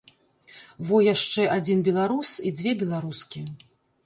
Во яшчэ адзін беларус і дзве беларускі.